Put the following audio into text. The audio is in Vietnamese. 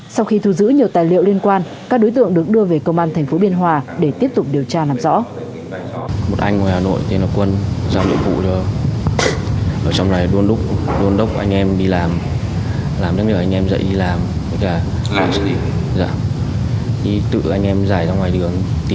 sau khi thu giữ nhiều tài liệu liên quan các đối tượng được đưa về công an tp biên hòa để tiếp tục điều tra làm rõ